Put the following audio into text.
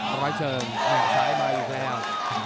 ปล่อยเชิญและสายมาอยู่แล้ว